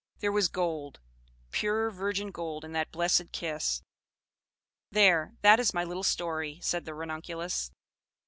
There was gold, pure virgin gold in that blessed kiss. There, that is my little story," said the Ranunculus.